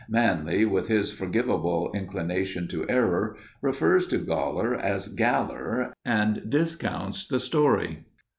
Manly, with his forgivable inclination to error refers to Goller as Galler and discounts the story.